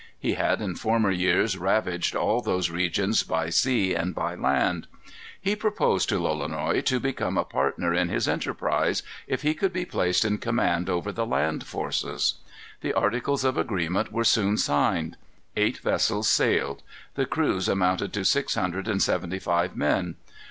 He had in former years ravaged all those regions by sea and by land. He proposed to Lolonois to become a partner in his enterprise, if he could be placed in command over the land forces. The articles of agreement were soon signed. Eight vessels sailed. The crews amounted to six hundred and seventy five men.